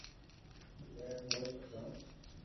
ڀیرون ھوئي گیونھ